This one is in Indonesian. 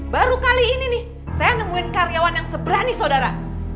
baru kali ini nih saya nemuin karyawan yang seberani saudara